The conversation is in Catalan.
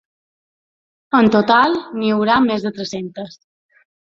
En total, n’hi haurà més de tres-centes.